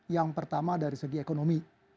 yang pertama dari segi ekonomi